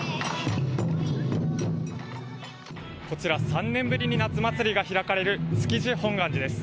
こちら３年ぶりに夏祭りが開かれる築地本願寺です。